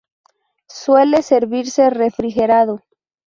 Suele servirse refrigerado.